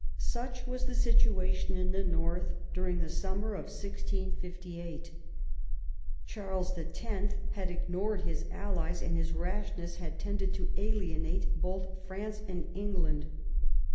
Such was the situation in the north during the summer of 1658. Charles X, had ignored his allies, and his rashness had tended to alienate both France and England.